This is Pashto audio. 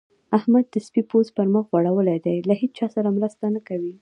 احمد د سپي پوست پر مخ غوړول دی؛ له هيچا سره مرسته نه کوي.